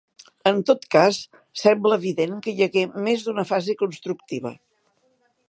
En tot cas, sembla evident que hi hagué més d'una fase constructiva.